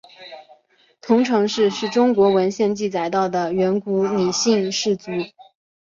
彤城氏是中国文献记载到的远古姒姓氏族。